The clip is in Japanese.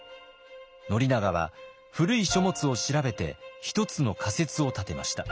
宣長は古い書物を調べて１つの仮説を立てました。